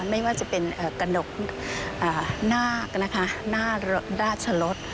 ไม่ว่าจะเป็นกระดกนาคนะคะหน้าราชรส